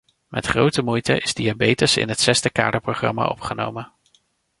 Met grote moeite is diabetes in het zesde kaderprogramma opgenomen.